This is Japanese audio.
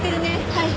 はい。